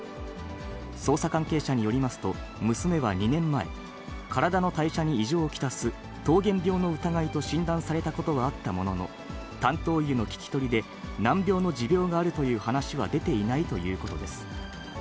捜査関係者によりますと、娘は２年前、体の代謝に異常をきたす糖原病の疑いと診断されたことはあったものの、担当医への聞き取りで、難病の持病があるという話は出ていないということです。